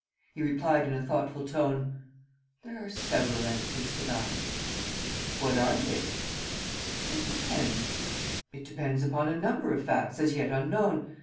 He replied in a thoughtful tone: "There are several answers to that. ..." "What are they?" "It depends ... it depends upon a number of facts as yet unknown.